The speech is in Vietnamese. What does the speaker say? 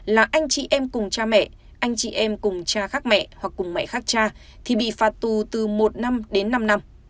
là anh chị em cùng cha mẹ anh chị em cùng cha khác mẹ hoặc cùng mẹ khác cha thì bị phạt tù từ một năm đến năm năm